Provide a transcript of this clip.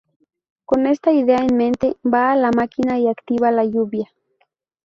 Con esta idea en mente, va a la máquina y activa la lluvia.